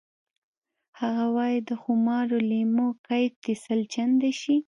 هغه وایی د خمارو لیمو کیف دې سل چنده شي